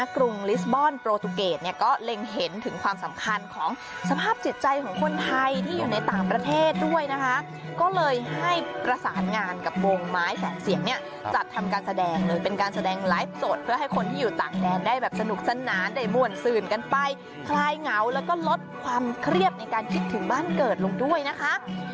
ของคนไทยที่อยู่ในต่างประเทศด้วยนะคะก็เลยให้ประสานงานกับวงไม้แสนเสียงเนี่ยจัดทำการแสดงเลยเป็นการแสดงไลฟ์สดเพื่อให้คนที่อยู่ต่างแดนได้แบบสนุกสนานได้มวลซื่นกันไปคลายเหงาแล้วก็ลดความเครียบในการคิดถึงบ้านเกิดลงด้วยนะคะ